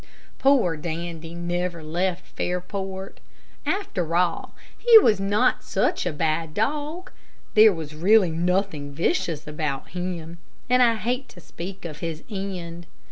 Poor Dandy never left Fairport. After all, he was not such a bad dog. There was nothing really vicious about him, and I hate to speak of his end.